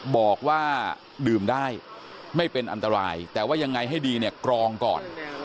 บอกว่าดื่มได้ไม่เป็นอันตรายแต่ว่ายังไงให้ดีเนี่ยกรองก่อน